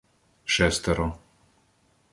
Шестеро